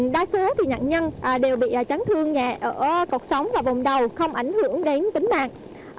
đa số nhận nhân đều bị trắng thương nhẹ ở cột sống và vùng đầu không ảnh hưởng đến tính mạng